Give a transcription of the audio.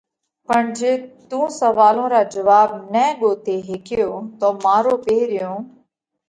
پڻ جي تُون سوئالون را جواڀ نہ ڳوتي هيڪيو تو مارو پيرهيون